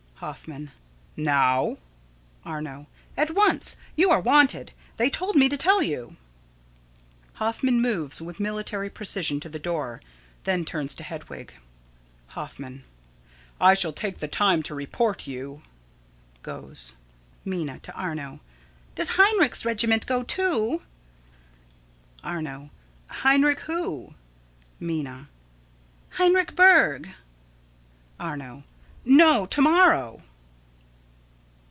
Hoffman: Now? Arno: At once. You are wanted. They told me to tell you. [Illustration: ARNO: You are wanted.] [Hoffman moves with military precision to the door; then turns to Hedwig.] Hoffman: I shall take the time to report you. [Goes.] Minna: [To Arno.] Does Heinrich's regiment go, too? Arno: Heinrich who? Minna: Heinrich Berg. Arno: No. To morrow.